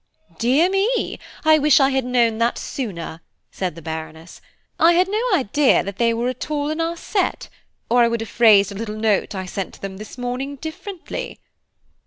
"Dear me! I wish I had known that sooner," said the Baroness; "I had no idea that they were at all in our set, or I would have phrased a little note I sent to them this morning differently."